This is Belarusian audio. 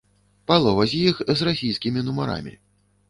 Палова з іх з расійскімі нумарамі.